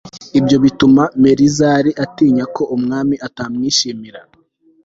ibyo bituma melizari atinya ko umwami atamwishimira